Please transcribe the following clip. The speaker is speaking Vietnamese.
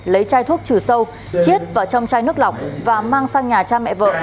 lấy chai thuốc trừ sâu chiết vào trong chai nước lọc và mang sang nhà cha mẹ vợ